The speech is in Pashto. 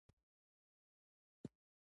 بلې خواته یې د زاویې د شیخ لپاره استوګنځای دی.